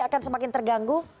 akan semakin terganggu